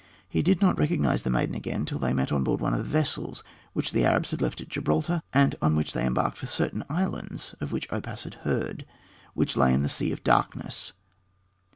He did not recognize the maiden again till they met on board one of the vessels which the Arabs had left at Gibraltar, and on which they embarked for certain islands of which Oppas had heard, which lay in the Sea of Darkness.